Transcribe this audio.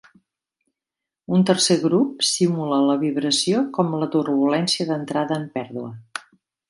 Un tercer grup simula la vibració com la turbulència d'entrada en pèrdua.